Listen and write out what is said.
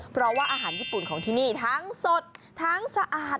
เพราะว่าอาหารญี่ปุ่นของที่นี่ทั้งสดทั้งสะอาด